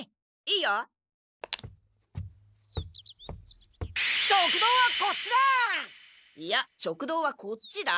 いや食堂はこっちだ。